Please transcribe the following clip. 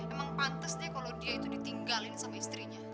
emang pantesnya kalau dia itu ditinggalin sama istrinya